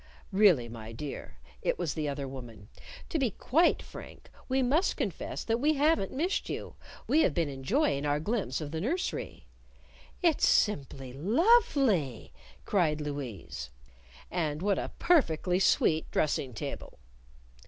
"Really, my dear," it was the other woman "to be quite frank, we must confess that we haven't missed you! We've been enjoying our glimpse of the nursery." "It's simply lovely!" cried Louise. "And what a perfectly sweet dressing table!"